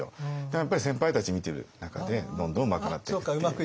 やっぱり先輩たち見ている中でどんどんうまくなっていくっていう感じですね。